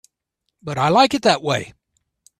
But I like it that way.